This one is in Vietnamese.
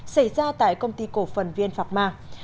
xảy ra tại công ty cổ phần viên phạm ma